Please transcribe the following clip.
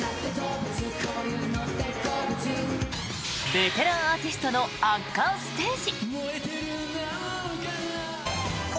ベテランアーティストの圧巻ステージ。